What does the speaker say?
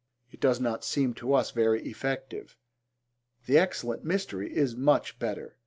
It does not seem to us very effective. The Excellent Mystery is much better.